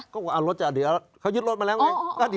เขายุดรถมาแล้วไง